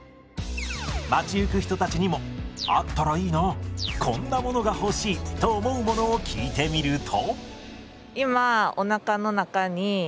街行く人たちにも「あったらいいな！」「こんなものが欲しい！」と思うものを聞いてみると。